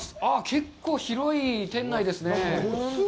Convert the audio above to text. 結構広い店内ですね。